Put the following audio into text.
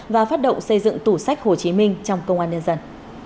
và phát động xây dựng tủ sách hồ chí minh trong công an nhân dân